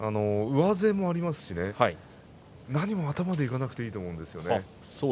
上背もありますし何も頭でいかなくてもいいと思うんですよ。